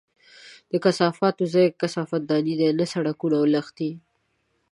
د کثافاتو ځای کثافت دانۍ دي، نه سړکونه او لښتي!